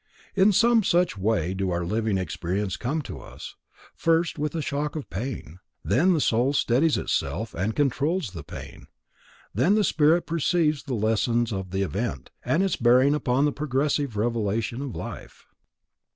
In some such way do our living experiences come to us; first, with a shock of pain; then the Soul steadies itself and controls the pain; then the spirit perceives the lesson of the event, and its bearing upon the progressive revelation of life.